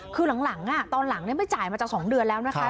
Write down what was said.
คือหลังตอนหลังไม่จ่ายมาจาก๒เดือนแล้วนะคะ